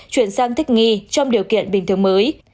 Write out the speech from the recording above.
chuyển sang thích nghi trong điều kiện bình thường mới